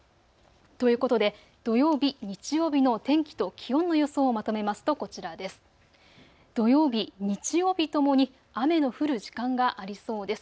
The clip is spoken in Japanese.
ということで土曜日、日曜日の天気と気温の予想をまとめますと、こちらです。